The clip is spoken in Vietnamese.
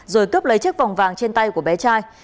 rồi cướp lấy chiếc vòng vàng trên tay của bé trai